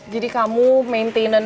jadi kamu maintenancenya apa